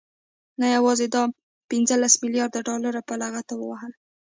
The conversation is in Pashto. نه يوازې دا پنځلس مليارده ډالر په لغته ووهل،